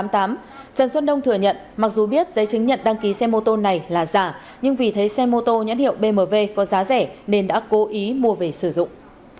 trần xuân đông thừa nhận mặc dù biết giấy chứng nhận đăng ký xe mô tô này là giả nhưng vì thấy xe mô tô nhãn hiệu bmw có giá rẻ nên đã cố ý mua về sử dụng